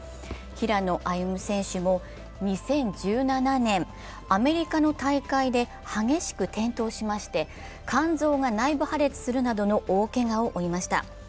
平野歩夢選手も２０１７年、アメリカの大会で激しく転倒しまして、肝臓が内部破裂するほどの大けがを負いました。